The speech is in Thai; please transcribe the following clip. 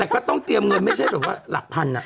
แต่ก็ต้องเตรียมเงินไม่ใช่แบบว่าหลักพัน